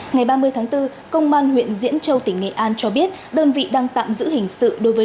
ngày ba mươi tháng bốn công an huyện diễn châu tỉnh nghệ an cho biết đơn vị đang tạm giữ hình sự đối với